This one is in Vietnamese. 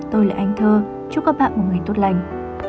tôi là anh thơ chúc các bạn một ngày tốt lành